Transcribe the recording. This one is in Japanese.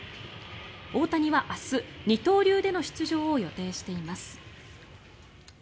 大谷は明日、二刀流での出場を予定しています。